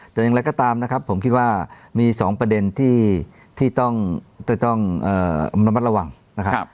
แต่อย่างไรก็ตามนะครับผมคิดว่ามี๒ประเด็นที่ต้องระมัดระวังนะครับ